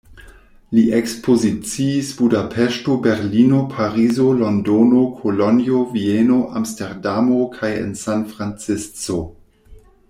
Li ekspoziciis Budapeŝto, Berlino, Parizo, Londono, Kolonjo, Vieno, Amsterdamo kaj en San Francisco.